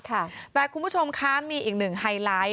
แต่คุณผู้ชมคะมีอีกหนึ่งไฮไลท์